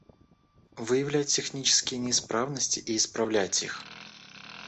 Выявлять технические неисправности и исправлять их